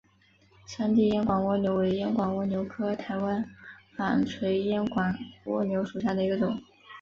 山地烟管蜗牛为烟管蜗牛科台湾纺锤烟管蜗牛属下的一个种。